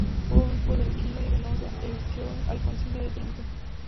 Fue obispo de Aquila y Venosa, y asistió al Concilio de Trento.